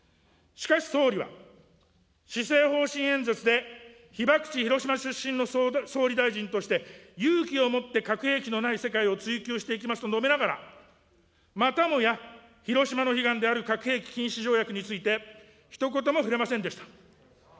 しかし総理は、施政方針演説で被爆地広島出身の総理大臣として、勇気を持って核兵器のない世界を追求していきますと述べながら、またもや広島の悲願である核兵器禁止条約について、ひと言も触れませんでした。